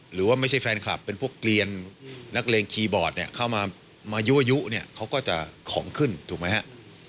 หรือว่าไม่ใช่แฟนคลับเป็นพวกเกลียนนักเลงคีย์บอร์ดเนี่ยเข้ามายั่วยุเนี่ยเขาก็จะของขึ้นถูกไหมฮะ